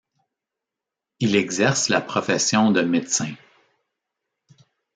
Il exerce la profession de médecin.